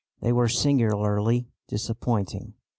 They were singularly disappointing.